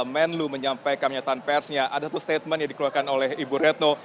menlu menyampaikan nyataan persnya ada satu statement yang dikeluarkan oleh ibu retno